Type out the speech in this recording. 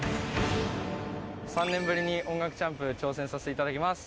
３年ぶりに『音楽チャンプ』挑戦させていただきます。